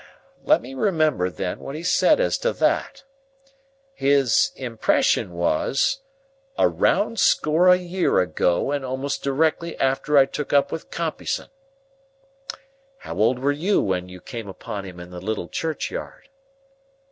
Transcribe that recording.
Let me remember, then, what he said as to that. His expression was, 'a round score o' year ago, and a'most directly after I took up wi' Compeyson.' How old were you when you came upon him in the little churchyard?"